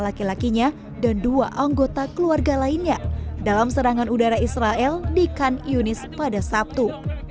laki lakinya dan dua anggota keluarga lainnya dalam serangan udara israel di khan yunis pada sabtu